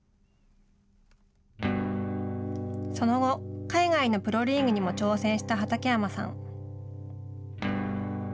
その後、海外のプロリーグにも挑戦した畠山さん。